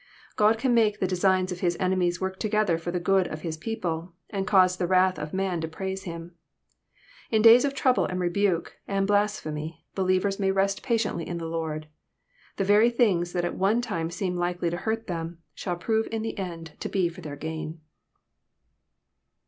God can make the designs of His enemies work together for the good of His people, and cause the wrath of man to praise Him. In days of trouble, and rebuke, and blasphemy, believers may rest patiently in the Lord. The very things that at one time seem likely to hurt them, shall prove in the end to be for their gain.